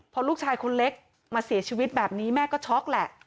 พอลูกชายคนเล็กมาเสียชีวิตแบบนี้แม่ก็ช็อกแหละ